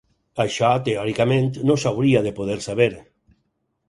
Això, teòricament, no s’hauria de poder saber.